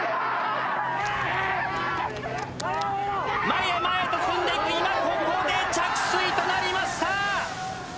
前へ前へと進んでいく今ここで着水となりました。